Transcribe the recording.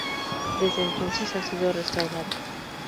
Desde entonces, ha sido restaurada.